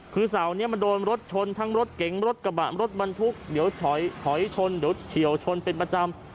คือเสานี้มันโดนรถชนทั้งรถเก๋งรถกระบะรถบรรทุกเดี๋ยวถอยชนเดี๋ยวเฉียวชนเป็นประจำ